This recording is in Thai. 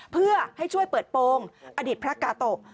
เพื่อให้ช่วยเปิดโปรงอดีตพระกาโตะ